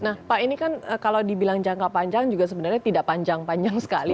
nah pak ini kan kalau dibilang jangka panjang juga sebenarnya tidak panjang panjang sekali